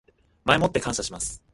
前もって感謝します